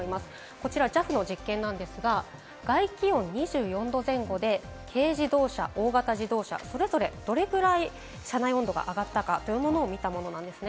こちらＪＡＦの実験ですが、外気温２４度前後で軽自動車、大型自動車、それぞれどれくらい車内温度が上がったかというものを見たものなんです。